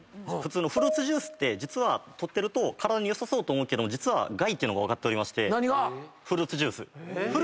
フルーツジュースって実は取ってると体に良さそうと思うけども実は害っていうのが分かっておりまして。